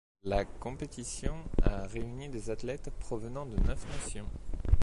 La compétition a réuni des athlètes provenant de neuf nations.